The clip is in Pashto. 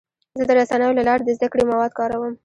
زه د رسنیو له لارې د زده کړې مواد کاروم.